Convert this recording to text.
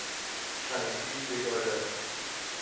陕西绥德人。